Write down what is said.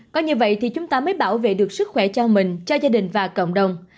có như vậy thì chúng ta mới bảo vệ được sức khỏe cho mình cho gia đình và cộng đồng